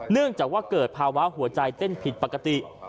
เนื่องจากว่าเกิดภาวะหัวใจเต้นผิดปกติ